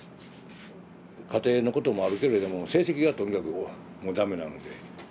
家庭のこともあるけれども成績がとにかくもう駄目なので。